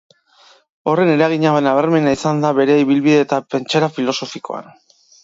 Horren eragina nabarmena izan da bere ibilbide eta pentsaera filosofikoan.